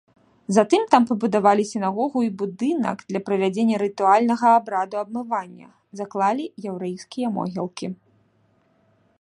Затым там пабудавалі сінагогу і будынак для правядзення рытуальнага абраду абмывання, заклалі яўрэйскія могілкі.